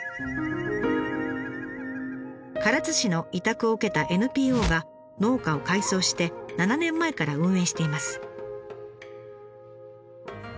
唐津市の委託を受けたＮＰＯが農家を改装して７年前から運営しています。